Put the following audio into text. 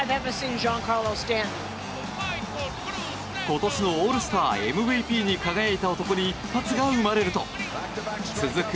今年のオールスターＭＶＰに輝いた男に一発が生まれると続く